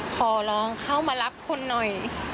ขอร้องเข้ามารับคนหน่อย